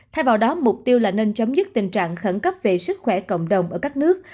thay vào đó mục tiêu là nên chấm dứt tình trạng khẩn cấp về sức khỏe cộng đồng ở các nước